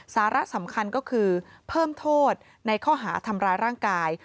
สาระสำคัญก็คือเพิ่มโทษในข้อหาทำร้ายร่างกาย